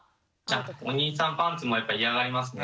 お兄さんパンツもやっぱり嫌がりますね。